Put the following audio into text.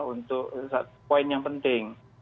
untuk satu poin yang penting